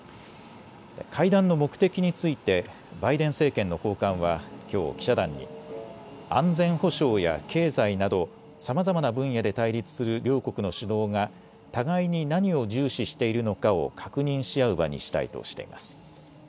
会談の目的についてバイデン政権の高官はきょう記者団に安全保障や経済などさまざまな分野で対立する両国の首脳が互いに何を重視しているのかを確認し合う場にしたいとしています。